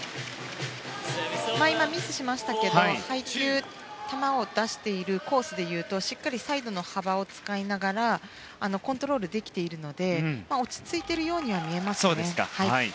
今はミスしましたけども配球、球を出しているコースでいうとしっかりサイドの幅を使いながらコントロールできているので落ち着いているようには見えます。